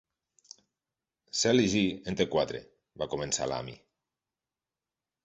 "Sallie J. en té quatre", va començar l'Amy.